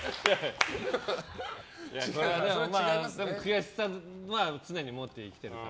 悔しさは常に持って生きてます。